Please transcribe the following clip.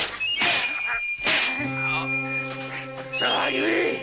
言え！